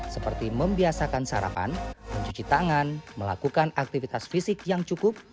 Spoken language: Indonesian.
seperti membiasakan sarapan mencuci tangan melakukan aktivitas fisik yang cukup